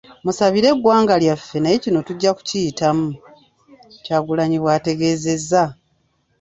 "Musabire eggwanga lyaffe naye kino tujja kukiyitamu.” Kyagulanyi bw'ategeezezza.